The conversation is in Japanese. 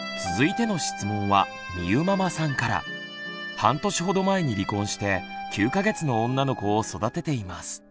半年ほど前に離婚して９か月の女の子を育てています。